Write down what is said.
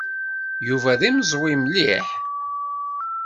Yuba d imeẓwi mliḥ.